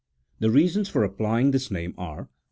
The reasons for applying this name are : I.